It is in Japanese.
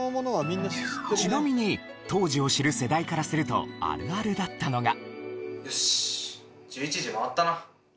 ちなみに当時を知る世代からするとあるあるだったのが。